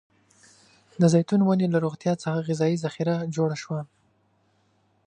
د زیتون ونې له روغتيا څخه غذايي ذخیره جوړه شوه.